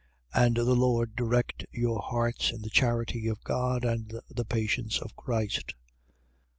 3:5. And the Lord direct your hearts, in the charity of God and the patience of Christ.